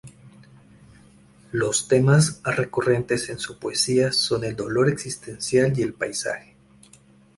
Los temas recurrentes en su poesía son el dolor existencial y el paisaje.